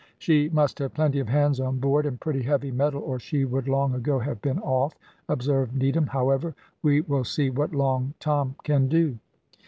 "She must have plenty of hands on board, and pretty heavy metal, or she would long ago have been off," observed Needham; "however, we will see what Long Tom can do."